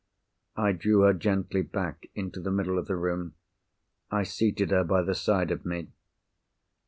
I drew her gently back into the middle of the room. I seated her by the side of me.